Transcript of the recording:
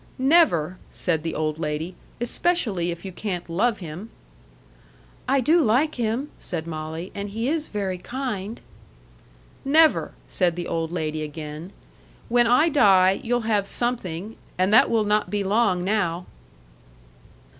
"Never!" said the old lady, "especially if you can't love him." "I do like him," said Molly; "and he is very kind." "Never!" said the old lady again. "When I die, you'll have something and that will not be long now."